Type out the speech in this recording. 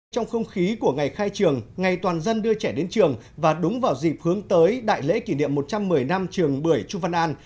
trong không khí của ngày khai trường ngày toàn dân đưa trẻ đến trường và đúng vào dịp hướng tới đại lễ kỷ niệm một trăm một mươi năm trường bưởi chu văn an